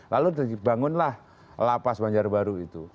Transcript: lalu dibangunlah lapas banjarbaru itu